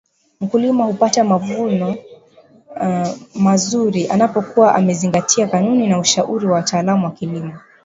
Mkulima hupata mavuono mazuri anapokua amezingatia kanuni na ushauri wa wataalam wa kilimo